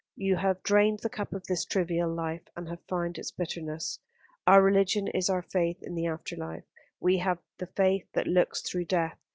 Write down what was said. You have drained the cup of this trivial life, and have found its bitterness. Our religion is our faith in the After life. We have the faith that looks through death.